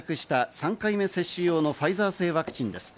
３回目接種用のファイザー製ワクチンです。